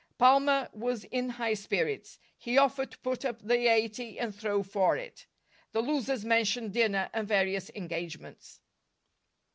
Palmer was in high spirits. He offered to put up the eighty and throw for it. The losers mentioned dinner and various engagements.